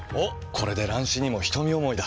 これで乱視にも瞳思いだ。